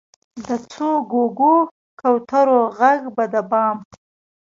د څو ګوګو، کوترو ږغ به د بام،